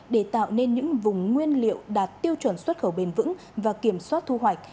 để tạo nên những vùng nguyên liệu đạt tiêu chuẩn xuất khẩu bền vững và kiểm soát thu hoạch